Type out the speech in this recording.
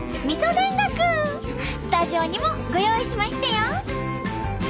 スタジオにもご用意しましたよ！